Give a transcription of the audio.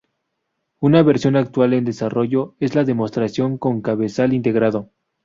Una versión actual en desarrollo es la demostración con cabezal integrado.